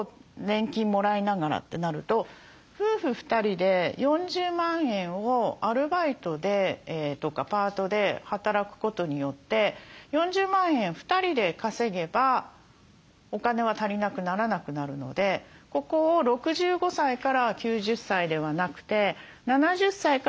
年金もらいながら」ってなると夫婦２人で４０万円をアルバイトとかパートで働くことによって４０万円２人で稼げばお金は足りなくならなくなるのでここを６５歳から９０歳ではなくて７０歳から９０歳までにできたりしますよね。